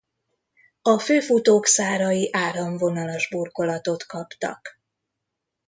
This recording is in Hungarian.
A főfutók szárai áramvonalas burkolatot kaptak.